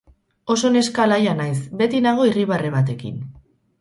Oso neska alaia naiz, beti nago irribarre batekin.